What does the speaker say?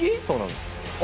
そうなんです。